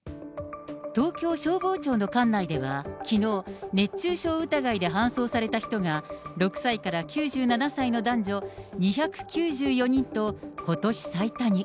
東京消防庁の管内では、きのう、熱中症疑いで搬送された人が６歳から９７歳の男女２９４人と、ことし最多に。